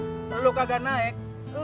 kalau tukang toprak yang gak naik gak naik juga